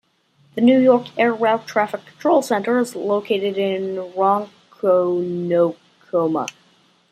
The New York Air Route Traffic Control Center is located in Ronkonkoma.